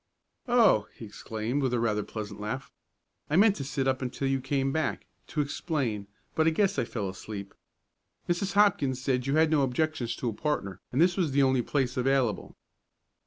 "Oh!" he exclaimed with a rather pleasant laugh. "I meant to sit up until you came back, to explain, but I guess I fell asleep. Mrs. Hopkins said you had no objections to a partner, and this was the only place available."